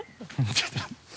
ちょっと